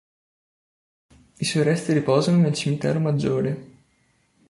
I suoi resti riposano nel cimitero Maggiore.